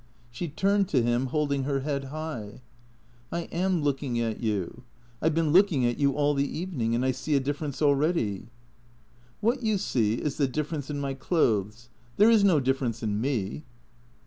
She turned to him, holding her head high. " I am looking at you. I 've been looking at you all the even ing — and I see a difference already." " What you see is the difference in my clothes. There is no difference in me."